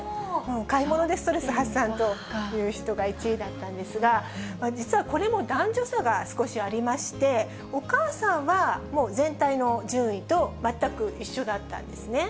買い物でストレス発散という人が１位だったんですが、実はこれも男女差が少しありまして、お母さんはもう全体の順位と全く一緒だったんですね。